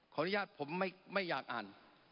ขออนุญาตผมไม่อยากอ่าน